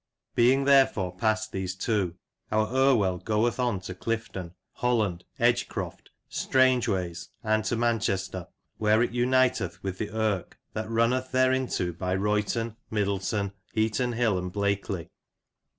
Being therefore past these two, our Irwell goeth on to Clifton, Holland, Edgecroft, Strangways, and to Manchester, where it uniteth with the Yrke, that runneth thereinto by Royton, Middleton,, 126 Lancashire Characters and Places, « Heaton Hill, and Blakeley.